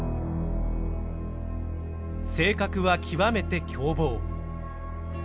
性格は極めて凶暴。